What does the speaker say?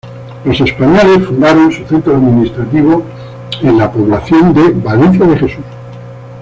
Los españoles fundaron su centro administrativo en la población de Valencia de Jesús.